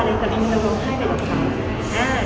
คุณเคยดูหัวคุณค่าเป็นอะไร